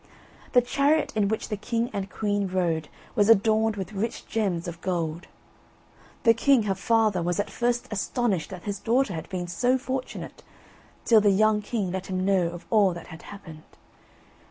The chariot in which the king and queen rode was adorned with rich gems of gold. The king, her father, was at first astonished that his daughter had been so fortunate, till the young king let him know of all that had happened.